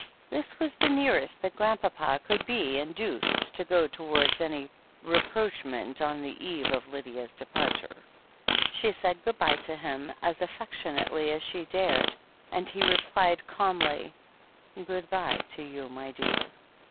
This was the nearest that Grandpapa could be in duced to go towards any rapprochement on the eve of Lydia's departure. 98 THE HEEL OF ACHILLES She said good bye to him as affectionately as she dared, and he replied calmly : "Good bye to you, my dear.